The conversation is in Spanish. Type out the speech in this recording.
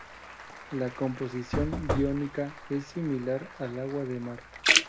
La composición iónica es similar al agua de mar.